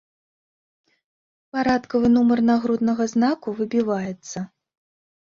Парадкавы нумар нагруднага знаку выбіваецца.